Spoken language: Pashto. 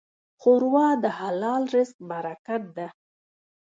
ښوروا د حلال رزق برکت ده.